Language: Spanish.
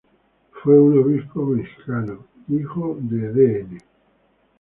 Fue un obispo mexicano, hijo de Dn.